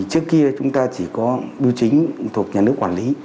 trước kia chúng ta chỉ có bưu chính thuộc nhà nước quản lý